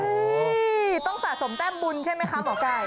นี่ต้องสะสมแต้มบุญใช่ไหมคะหมอไก่